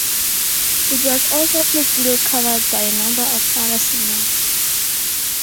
It was also quickly covered by a number of other singers.